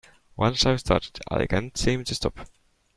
Once I've started, I can't seem to stop.